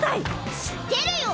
知ってるよ！